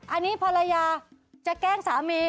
อันนี้ภรรยาจะแกล้งสามี